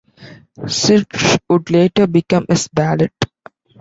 Sytch would later become his valet.